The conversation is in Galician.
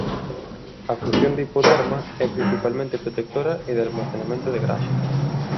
A función do hipoderma é principalmente protectora e de almacenamento de graxa.